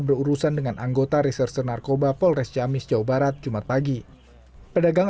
berurusan dengan anggota reserse narkoba polres ciamis jawa barat jumat pagi pedagang